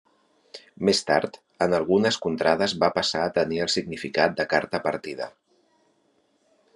Més tard, en algunes contrades va passar a tenir el significat de carta partida.